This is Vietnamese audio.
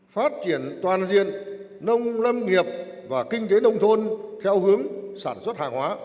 phát triển toàn diện nông lâm nghiệp và kinh tế nông thôn theo hướng sản xuất hàng hóa